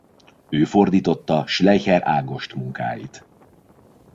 Ő fordította Schleicher Ágost munkáit.